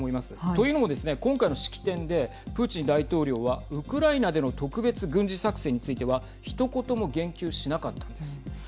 というのもですね、今回の式典でプーチン大統領はウクライナでの特別軍事作戦についてはひと言も言及しなかったんです。